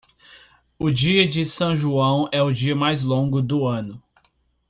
O Dia de São João é o dia mais longo do ano.